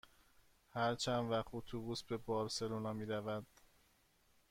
هر چند وقت اتوبوس به بارسلونا می رود؟